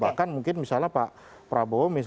bahkan mungkin misalnya pak prabowo